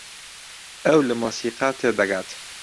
ئەو لە مۆسیقا تێدەگات.